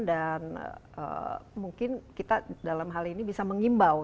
dan mungkin kita dalam hal ini bisa mengimbau